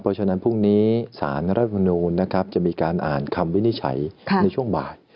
เพราะฉะนั้นพรุ่งนี้สารรัฐมนูลนะครับจะมีการอ่านคำวินิจฉัยในช่วงบ่าย